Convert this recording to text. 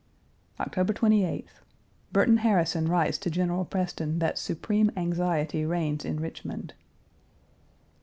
October 28th. Burton Harrison writes to General Preston that supreme anxiety reigns in Richmond.